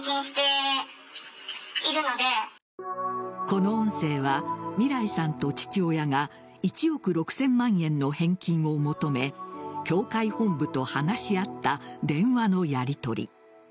この音声はみらいさんと父親が１億６０００万円の返金を求め教会本部と話し合った電話のやりとり。